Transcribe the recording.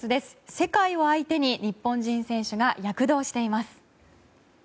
世界を相手に日本人選手が躍動しています。